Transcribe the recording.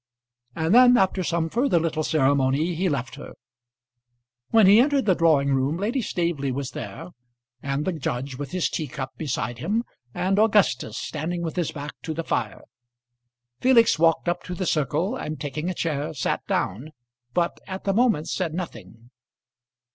And then after some further little ceremony he left her. When he entered the drawing room Lady Staveley was there, and the judge with his teacup beside him, and Augustus standing with his back to the fire. Felix walked up to the circle, and taking a chair sat down, but at the moment said nothing.